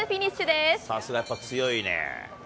さすがやっぱ強いね。